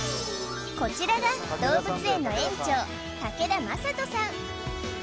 こちらが動物園の園長竹田正人さん